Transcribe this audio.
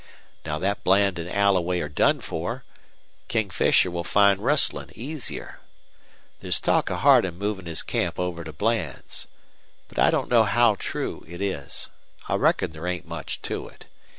Now that Bland and Alloway are done for, King Fisher will find rustlin' easier. There's talk of Hardin movie' his camp over to Bland's. But I don't know how true it is. I reckon there ain't much to it.